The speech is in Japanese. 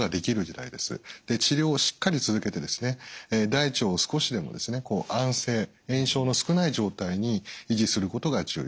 治療をしっかり続けて大腸を少しでも安静炎症の少ない状態に維持することが重要。